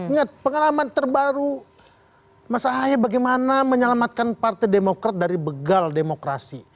ingat pengalaman terbaru mas ahaye bagaimana menyelamatkan partai demokrat dari begal demokrasi